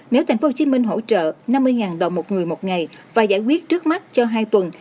nếu tp hcm hỗ trợ năm mươi đồng một người một ngày và giải quyết trước mắt cho hai tuần